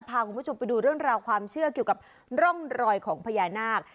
พาคุณผู้ชมไปดูเรื่องราวความเชื่อเกี่ยวกับร่องรอยของพญานาค